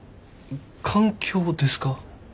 環境ですか？